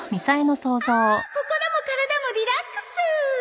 ああ心も体もリラックス！